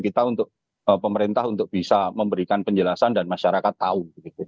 kita untuk pemerintah untuk bisa memberikan penjelasan dan masyarakat tahu